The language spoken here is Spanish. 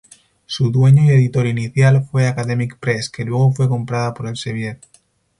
Su dueño y editor inicial fue Academic Press, que luego fue comprada por Elsevier.